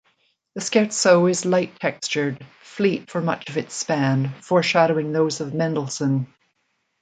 The scherzo is light-textured, fleet for much of its span, foreshadowing those of Mendelssohn.